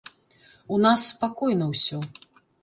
У нас спакойна ўсё.